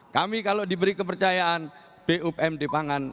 kami kalau diberi kepercayaan bumd pangan